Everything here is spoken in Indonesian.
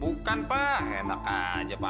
bukan pak enak aja pak